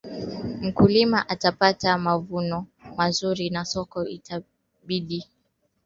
mkulima atapata mavuno mazuri na soko la bidha akijiunga na vikundi vya wakulima